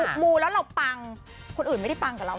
มูแล้วเราปังคนอื่นไม่ได้ปังกับเรา